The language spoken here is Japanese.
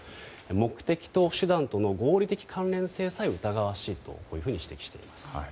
目的と手段との合理的関連性さえ疑わしいと指摘しています。